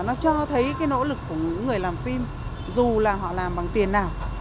nó cho thấy cái nỗ lực của những người làm phim dù là họ làm bằng tiền nào